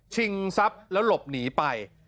ทรัพย์แล้วหลบหนีไป